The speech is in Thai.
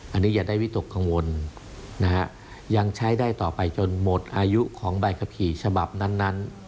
อันนี้อย่าได้วิตกกังวลนะฮะยังใช้ได้ต่อไปจนหมดอายุของใบขับขี่ฉบับนั้น